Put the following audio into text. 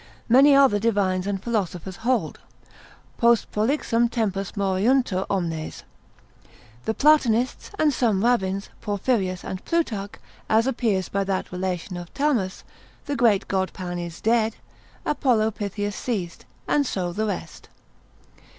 many other divines and philosophers hold, post prolixum tempus moriuntur omnes; The Platonists, and some Rabbins, Porphyrius and Plutarch, as appears by that relation of Thamus: The great God Pan is dead; Apollo Pythius ceased; and so the rest.